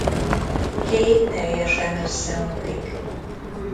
Kay teljesen összeomlik.